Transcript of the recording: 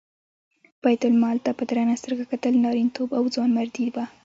بیت المال ته په درنه سترګه کتل نارینتوب او ځوانمردي وه.